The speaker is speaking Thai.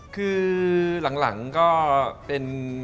คือหลังก็เป็น